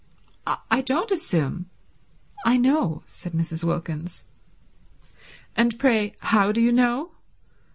"I don't assume—I know." said Mrs. Wilkins. "And pray how do you know?"